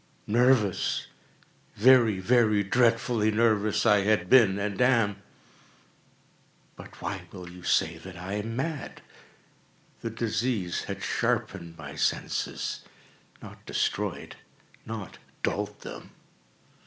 —nervous—very, very dreadfully nervous I had been and am; but why will you say that I am mad? The disease had sharpened my senses—not destroyed—not dulled them.